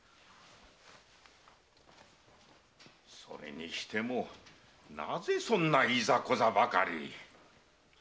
それにしてもなぜそんないざこざばかり。